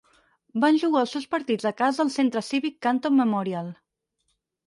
Van jugar els seus partits a casa al Centre Cívic Canton Memorial.